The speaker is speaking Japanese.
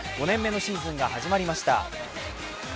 ５年目のシーズンが始まりました。